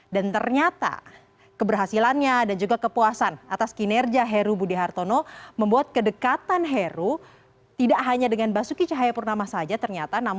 dan ternyata keberhasilannya dan juga kepuasan atas kinerja heru budi hartono membuat kedekatan heru tidak hanya dengan basuki cahayapurnama saja ternyata